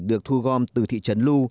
được thu gom từ thị trấn lu